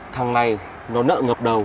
thằng này nó nợ ngập đầu